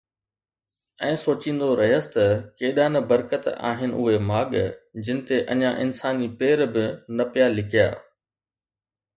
۽ سوچيندو رهيس ته ڪيڏا نه برڪت آهن اهي ماڳ، جن تي اڃا انساني پير به نه پيا لڪيا